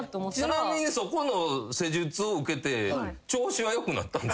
ちなみにそこの施術を受けて調子はよくなったんですか？